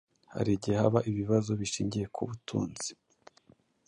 Hari igihe haba ibibazo bishingiye ku butunzi